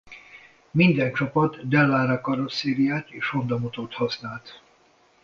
Minden csapat Dallara karosszériát és Honda motort használt.